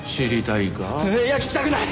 いや聞きたくない！